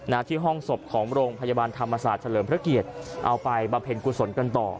ที่ห้องศพของโรงพยาบาลธรรมศาสตร์เฉลิมพระเกียรติเอาไปบำเพ็ญกุศลกันต่อ